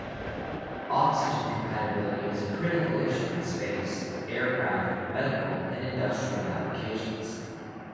Oxygen compatibility is a critical issue in space, aircraft, medical, and industrial applications.